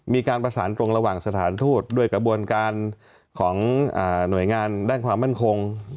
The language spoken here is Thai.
มีการประสานกรงระหว่างสถานทูตด้วยกระบวนการของหน่วยงานด้านความมั่นคง